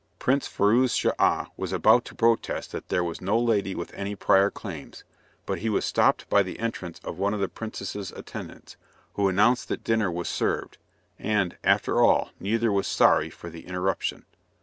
Prince Firouz Schah was about to protest that there was no lady with any prior claims, but he was stopped by the entrance of one of the princess's attendants, who announced that dinner was served, and, after all, neither was sorry for the interruption.